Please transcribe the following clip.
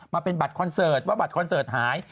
มาเป็นบัตรคอนเสิร์ตว่าบัตรคอนเสิร์ตหาย